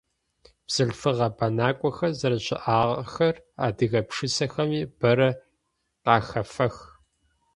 Бзылъфыгъэ бэнакӏохэр зэрэщыӏагъэхэр адыгэ пшысэхэми бэрэ къахэфэх.